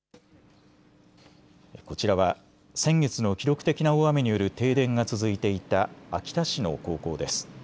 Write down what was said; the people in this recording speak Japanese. こちらは先月の記録的な大雨による停電が続いていた秋田市の高校です。